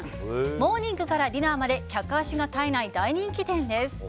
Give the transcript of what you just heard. モーニングからディナーまで客足が絶えない大人気店です。